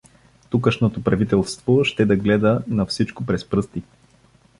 Тукашното правителство ще да гледа на всичко през пръсти.